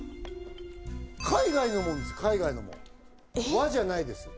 海外のものです海外のもの和じゃないです